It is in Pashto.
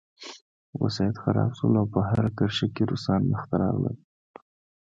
وسایط خراب شول او په هره کرښه کې روسان مخته راتلل